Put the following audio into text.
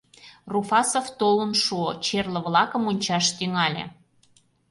Руфасов толын шуо, черле-влакым ончаш тӱҥале.